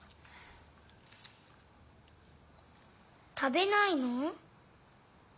食べないの？